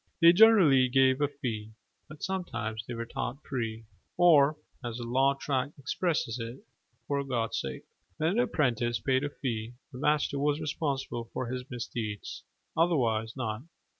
They generally gave a fee: but sometimes they were taught free or as the law tract expresses it "for God's sake." When an apprentice paid a fee, the master was responsible for his misdeeds: otherwise not.